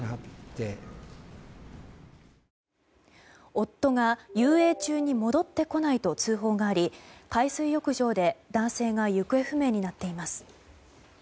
夫が遊泳中に戻ってこないと通報があり海水浴場で男性が行方不明になっています。